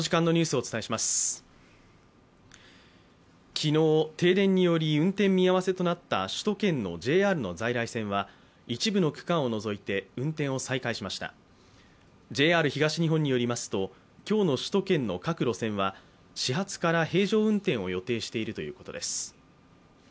昨日、停電による運転見合わせとなった首都圏のＪＲの在来線は、一部の区間を除いて運転を再開しましたＪＲ東日本によりますと、今日の首都圏の各路線は始発から平常運転を予定しているということです。